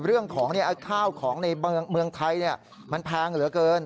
เรื่องของข้าวของในเมืองไทยมันแพงเหลือเกิน